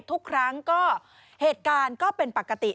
ทุกครั้งก็เหตุการณ์ก็เป็นปกติ